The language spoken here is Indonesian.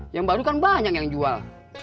yang baru kan banyak yang jual